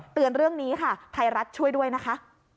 เรื่องนี้ค่ะไทยรัฐช่วยด้วยนะคะ